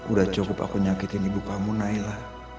udah cukup aku nyakitin ibu kamu naila